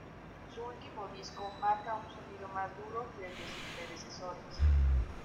Su último disco marca un sonido más duro que el de sus predecesores.